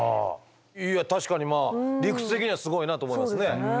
いや確かにまあ理屈的にはすごいなあと思いますね。